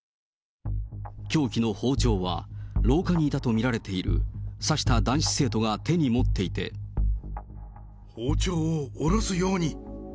凶器の包丁は廊下にいたと見られている刺した男子生徒が手に包丁を下ろすように。